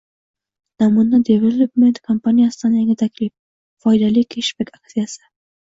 Namuna Development kompaniyasidan yangi taklif — foydali keshbek aksiyasi!